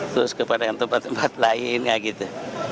terus ke tempat tempat lain nggak gitu